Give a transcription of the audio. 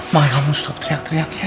makanya kamu suka teriak teriak ya